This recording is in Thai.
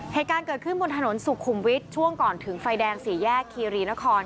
เหตุการณ์เกิดขึ้นบนถนนสุขุมวิทย์ช่วงก่อนถึงไฟแดงสี่แยกคีรีนคร